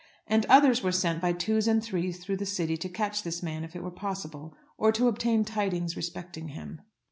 And others were sent by twos and threes through the city to catch this man if it were possible, or to obtain tidings respecting him.